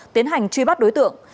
tiến hành truy bắt đối tượng